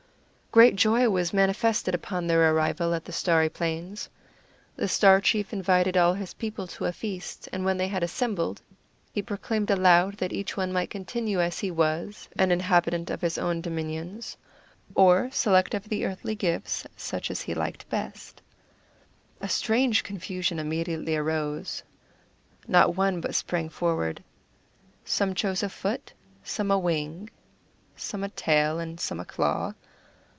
Great joy was manifested upon their arrival at the starry plains. The Star Chief invited all his people to a feast; and when they had assembled, he proclaimed aloud that each one might continue as he was, an inhabitant of his own dominions, or select of the earthly gifts such as he liked best. A very strange confusion immediately arose; not one but sprang forward. Some chose a foot, some a wing, some a tail, and some a claw.